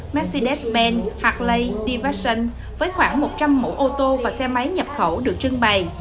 mercedes benz harley d version với khoảng một trăm linh mẫu ô tô và xe máy nhập khẩu được trưng bày